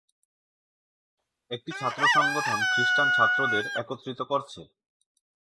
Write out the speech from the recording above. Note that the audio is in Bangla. একটি ছাত্র সংগঠন খ্রিস্টান ছাত্রদের একত্রিত করছে।